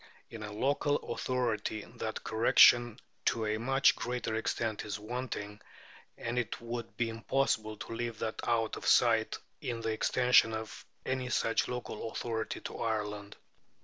In a local authority that correction to a much greater extent is wanting; and it would be impossible to leave that out of sight in the extension of any such local authority to Ireland."